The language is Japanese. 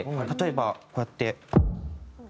例えばこうやって。